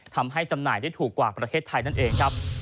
จำหน่ายได้ถูกกว่าประเทศไทยนั่นเองครับ